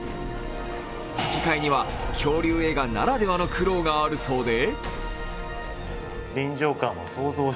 吹き替えには恐竜映画ならではの苦労があるそうで。